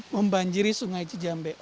membanjiri sungai cijambe